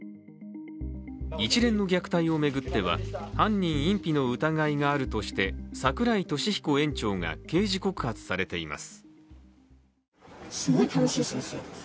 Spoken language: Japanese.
一連の虐待を巡っては犯人隠避の疑いがあるとして櫻井利彦園長が刑事告発されています。